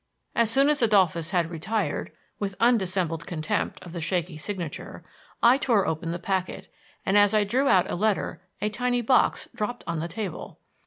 As soon as Adolphus had retired (with undissembled contempt of the shaky signature) I tore open the packet, and as I drew out a letter a tiny box dropped on the table.